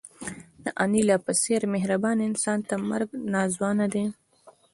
د انیلا په څېر مهربان انسان ته مرګ ناځوانه دی